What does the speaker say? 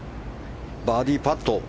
バーディーパット。